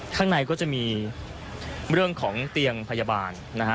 ข้างในก็จะมีเรื่องของเตียงพยาบาลนะฮะ